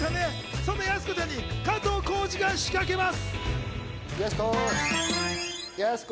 そんなやす子ちゃんに加藤浩次が仕掛けます。